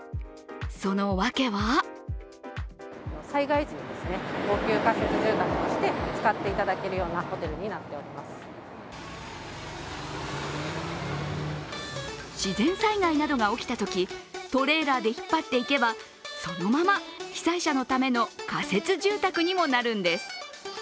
その訳は自然災害などが起きたときトレーラーで引っ張っていけばそのまま被災者のための仮設住宅にもなるんです。